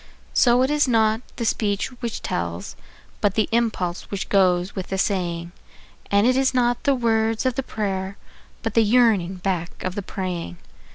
So it is not the speech which tells, but the impulse which goes with the saying; And it is not the words of the prayer, but the yearning back of the praying.